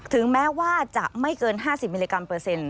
ถึงแม้ว่าจะไม่เกิน๕๐มิลลิกรัมเปอร์เซ็นต